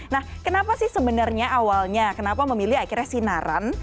nah kenapa sih sebenarnya awalnya kenapa memilih akhirnya sinaran